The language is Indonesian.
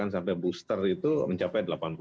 sampai booster itu mencapai delapan puluh